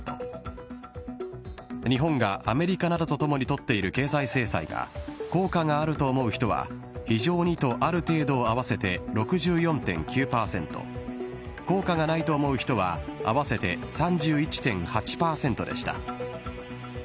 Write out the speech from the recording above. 日本がアメリカなどと共に取っている経済制裁が効果があると思う人は、非常にとある程度を合わせて６４．９％、効果がないと思う人は、合わせて３１．８％でした。